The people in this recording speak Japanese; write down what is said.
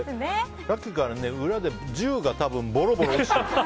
さっきからね、裏で銃がボロボロ落ちてる。